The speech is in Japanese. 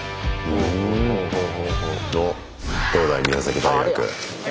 おっどうだい宮崎大学。